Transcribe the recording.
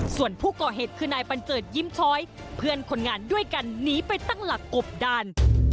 ส่วนผู้ก่อเหตุคือนายบัญเจิดยิ้มช้อยเพื่อนคนงานด้วยกันหนีไปตั้งหลักกบดัน